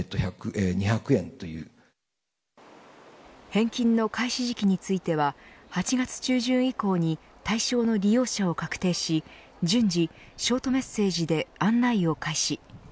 返金の開始時期については８月中旬以降に対象の利用者を確定し順次ショートメッセージで案内を開始。